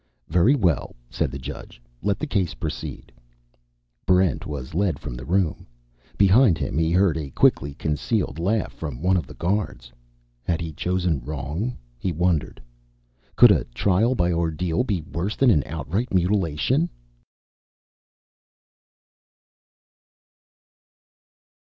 "Very well," said the judge. "Let the case proceed." Barrent was led from the room. Behind him, he heard a quickly concealed laugh from one of the guards. Had he chosen wrong? he wondered. Could a trial by ordeal be worse than outright mutilation?